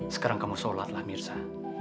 sekarang kamu sholatlah mirza